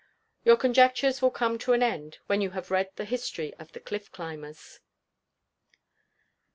Your conjectures will come to an end, when you have read the history of the Cliff climbers.